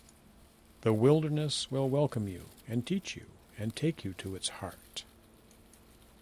The wilderness will welcome you, and teach you, and take you to its heart.